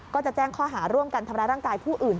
ก็จะแจ้งข้อหาร่วมกันทำร้ายร่างกายผู้อื่น